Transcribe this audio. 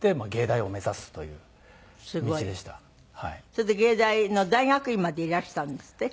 それで藝大の大学院までいらしたんですって？